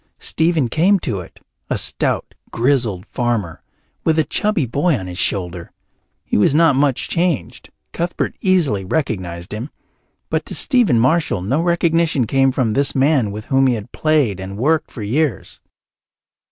Stephen came to it, a stout grizzled farmer, with a chubby boy on his shoulder. He was not much changed; Cuthbert easily recognized him, but to Stephen Marshall no recognition came of this man with whom he had played and worked for years.